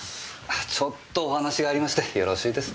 ちょっとお話がありましてよろしいですか。